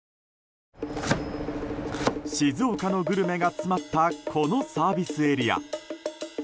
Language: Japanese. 静岡のグルメが詰まったこのサービスエリア。